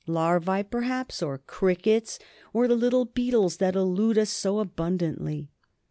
Larvae, perhaps, or crickets, or the little beetles that elude us so abundantly.